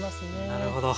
なるほど。